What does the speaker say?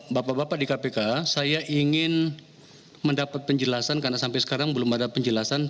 bapak bapak di kpk saya ingin mendapat penjelasan karena sampai sekarang belum ada penjelasan